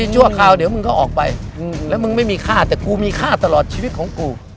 ชั่วคราวเดี๋ยวมึงก็ออกไปแล้วมึงไม่มีค่าแต่กูมีค่าตลอดชีวิตของกู